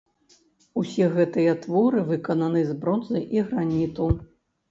Усе гэтыя творы выкананы з бронзы і граніту.